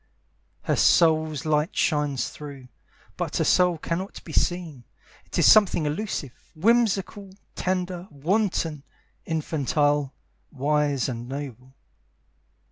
Her soul's light shines through, But her soul cannot be seen. It is something elusive, whimsical, tender, wanton, infantile, wise And noble.